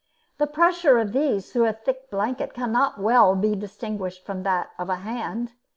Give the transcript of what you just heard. The pressure of these, through a thick blanket, cannot well be distinguished from that of a hand.